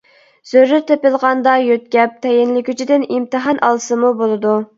زۆرۈر تېپىلغاندا يۆتكەپ تەيىنلىگۈچىدىن ئىمتىھان ئالسىمۇ بولىدۇ.